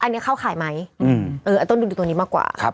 อันนี้เข้าข่ายไหมอืมเออต้องดูตรวนนี้มากกว่าครับ